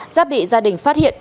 giáp bị gia đình phát hiện